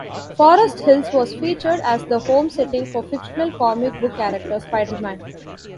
Forest Hills was featured as the home setting for fictional comic book character Spider-Man.